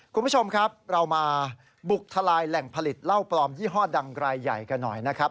คุณผู้ชมครับเรามาบุกทลายแหล่งผลิตเหล้าปลอมยี่ห้อดังรายใหญ่กันหน่อยนะครับ